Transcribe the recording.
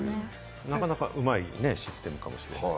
なかなかうまいシステムかもしれない。